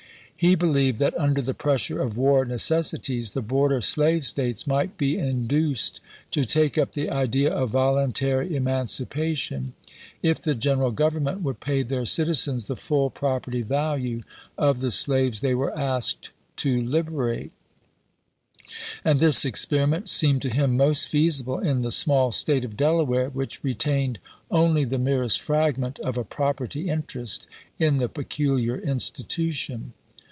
He believed that under the pressure of war necessities the border slave States might be 206 ABKAHAM LINCOLN CHAP. XII. iuduced to take up the idea of voluntary emancipa tion if the General Grovernroent would pay their citizens the full property value of the slaves they were asked to hberate ; and this experiment seemed to him most feasible in the small State of Delaware, which retained only the merest fragment of a property interest in the peculiar institution.